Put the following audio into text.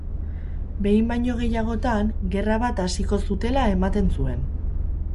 Behin baino gehiagotan, gerra bat hasiko zutela ematen zuen.